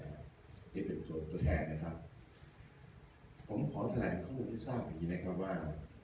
ที่เป็นตัวแทนนะครับผมขอแถลงข้อมูลให้ทราบอย่างงี้นะครับว่า